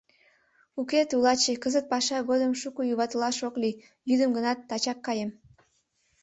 — Уке, тулаче, кызыт паша годым шуко юватылаш ок лий, йӱдым гынат, тачак каем.